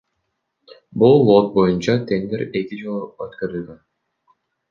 Бул лот боюнча тендер эки жолу өткөрүлгөн.